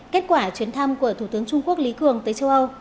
kết quả chuyến thăm của thủ tướng trung quốc lý cường tới châu âu